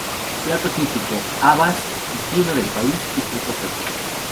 Plato típico: habas, vino del país y frutos secos.